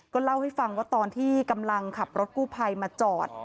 เล่าให้ฟังว่าตอนที่กำลังขับรถกู้ภัยมาจอด